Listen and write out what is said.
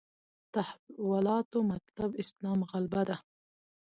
تحولاتو مطلب اسلام غلبه ده.